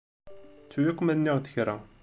Ttu yakk ma nniɣ-d kra.